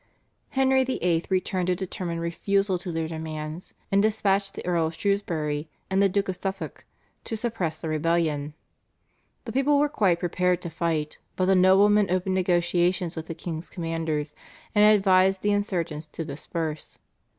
Henry VIII. returned a determined refusal to their demands, and dispatched the Earl of Shrewsbury and the Duke of Suffolk to suppress the rebellion. The people were quite prepared to fight, but the noblemen opened negotiations with the king's commanders, and advised the insurgents to disperse.